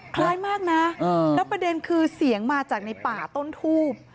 คล้ายมากนะแล้วประเด็นคือเสียงมาจากในป่าต้นทูบ